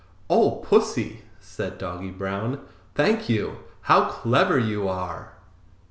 "Oh, Pussy!" said Doggy Brown. "Thank you; how clever you are!"